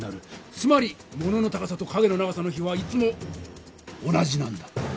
つまり物の高さと影の長さの比はいつも同じなんだ。